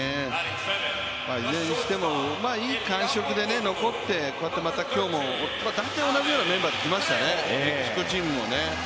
いずれにしてもいい感触が残ってこうやって今日も大体同じようなメンバーできましたね、メキシコチームもね。